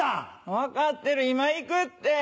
分かってる今行くって！